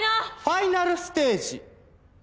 ファイナルステージ！